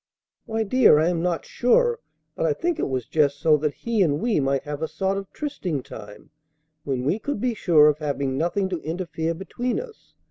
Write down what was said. "Why, dear, I am not sure; but I think it was just so that He and we might have a sort of a trysting time when we could be sure of having nothing to interfere between us.